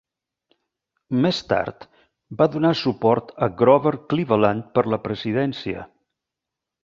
Més tard, va donar suport a Grover Cleveland per la presidència.